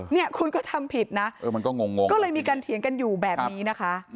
เนี่ยคุณก็ทำผิดนะเออมันก็งงก็เลยมีการเถียงกันอยู่แบบนี้นะคะ